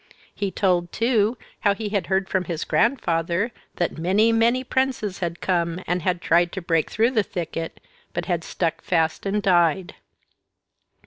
He told, too, how he had heard from his grandfather that many, many princes had come, and had tried to break through the thicket, but had stuck fast and died.